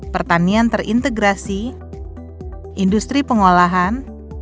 pertanian terintegrasi industri pengolahan